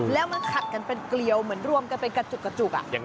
แล้วมันขัดกันเป็นเกลียวเหมือนรวมกันเป็นกระจุกกระจุก